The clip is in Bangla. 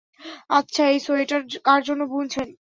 আচ্ছা, এই সোয়েটার কার জন্য বুনছেন?